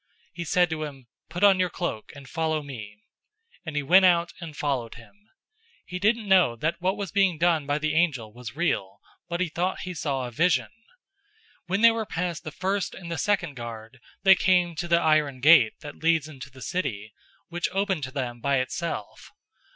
He said to him, "Put on your cloak, and follow me." 012:009 And he went out and followed him. He didn't know that what was being done by the angel was real, but thought he saw a vision. 012:010 When they were past the first and the second guard, they came to the iron gate that leads into the city, which opened to them by itself.